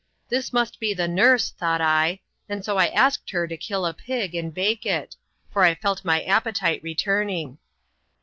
This must be the nurse, thought I ; and so I asked her to kill a pig, and bake it; for I felt my appetite returning.